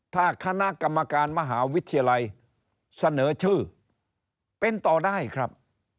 ถ้าคณะกรรมการมหาวิทยาลัยเสนอชื่อเป็นต่อได้ครับ